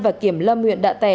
và kiểm lâm huyện đạ tẻ